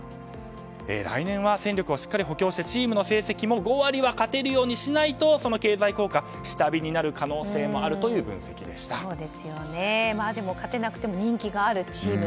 来年は戦力をしっかり補強してチームの成績は５割勝てるようにしないと経済効果が下火になる可能性もあるというでも勝てなくても人気があるチーム。